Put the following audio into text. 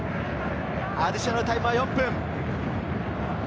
アディショナルタイムは４分。